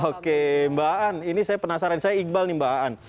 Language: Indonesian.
oke mbak aan ini saya penasaran saya iqbal nih mbak aan